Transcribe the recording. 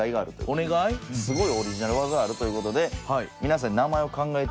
すごいオリジナル技あるということで皆さんに名前を考えてほしい。